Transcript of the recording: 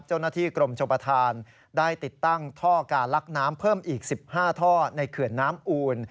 เจ้าหน้าที่กรมชมประธานได้ติดตั้งท่อการลักน้ำเพิ่มอีก๑๕ท่อในเขื่อนน้ำอูล